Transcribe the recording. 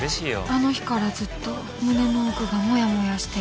あの日からずっと胸の奥がもやもやしている。